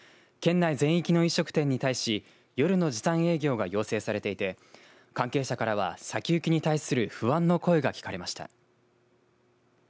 県内全域の飲食店に対し夜の時短営業が要請されていて関係者からは、先行きに対する不安の声が聞かれました。